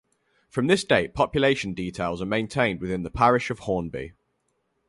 From this date population details are maintained within the parish of Hornby.